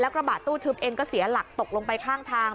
กระบะตู้ทึบเองก็เสียหลักตกลงไปข้างทาง